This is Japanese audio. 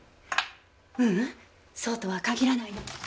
ううんそうとは限らないの。